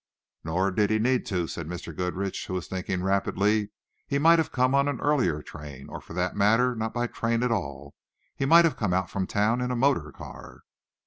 "Nor did he need to," said Mr. Goodrich, who was thinking rapidly. "He might have come on an earlier train, or, for that matter, not by train at all. He may have come out from town in a motor car."